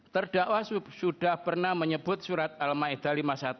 terdakwa sudah pernah menyebut surat al ma'idah lima puluh satu